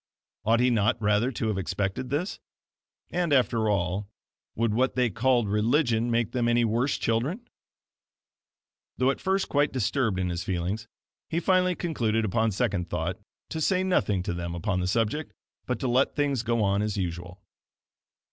Ought he not rather to have expected this? And after all, would what they called religion make them any worse children? Though at first quite disturbed in his feelings, he finally concluded upon second thought to say nothing to them upon the subject, but to let things go on as usual.